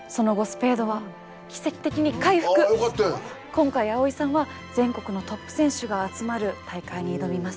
今回蒼依さんは全国のトップ選手が集まる大会に挑みます。